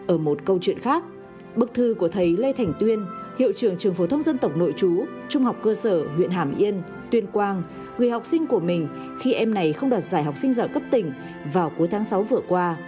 ở một câu chuyện khác bức thư của thầy lê thành tuyên hiệu trưởng trường phổ thông dân tộc nội chú trung học cơ sở huyện hàm yên tuyên quang người học sinh của mình khi em này không đoạt giải học sinh giỏi cấp tỉnh vào cuối tháng sáu vừa qua